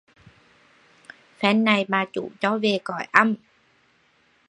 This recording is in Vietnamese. Phen này bà chủ cho về..cõi âm!!